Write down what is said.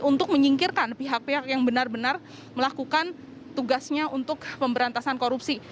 untuk menyingkirkan pihak pihak yang benar benar melakukan tugasnya untuk pemberantasan korupsi